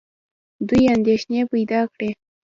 دوی اندېښنې پیدا کړې.